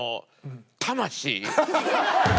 魂！？